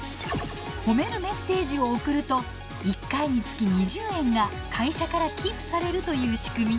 褒めるメッセージを送ると１回につき２０円が会社から寄付されるという仕組み。